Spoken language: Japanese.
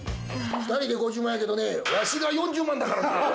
２人で５０万やけどね、わしが４０万だからな！